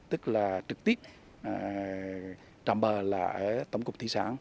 tức là trực tiếp trạm bờ ở tổng cục thị sản